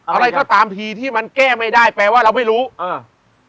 อะไรก็ตามทีที่มันแก้ไม่ได้แปลว่าเราไม่รู้อ่า